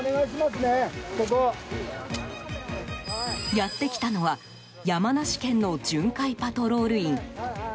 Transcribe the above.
やってきたのは山梨県の巡回パトロール員。